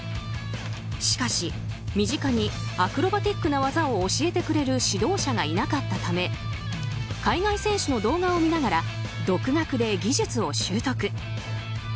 しかし身近にアクロバティックな技を教えてくれる指導者がいなかったため海外選手の動画を見ながら独学で技術を習得。